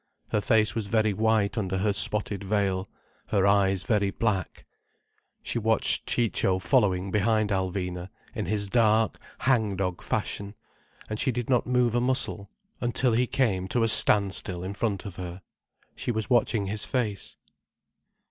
Her face was very white under her spotted veil, her eyes very black. She watched Ciccio following behind Alvina in his dark, hangdog fashion, and she did not move a muscle until he came to a standstill in front of her. She was watching his face.